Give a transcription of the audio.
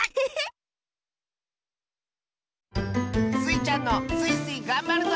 スイちゃんの「スイスイ！がんばるぞ」